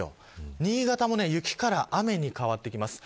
新潟も雪から雨に変わってきます。